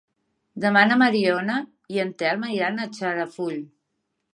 Demà na Mariona i en Telm iran a Xarafull.